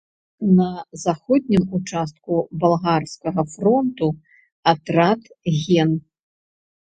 На заходнім участку балгарскага фронту атрад ген.